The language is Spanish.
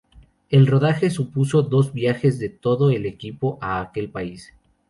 El rodaje supuso dos viajes de todo el equipo a aquel país.